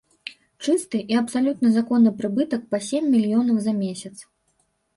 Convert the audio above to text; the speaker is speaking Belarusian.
Чысты і абсалютна законны прыбытак па сем мільёнаў за месяц.